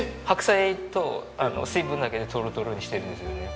白菜と水分だけでトロトロにしてるんですよね。